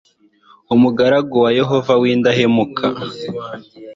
umugaragu wa yehova w'indahemuka